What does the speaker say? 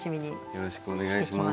よろしくお願いします。